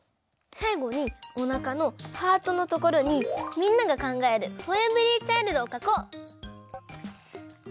さいごにおなかのハートのところにみんながかんがえるｆｏｒｅｖｅｒｙｃｈｉｌｄをかこう！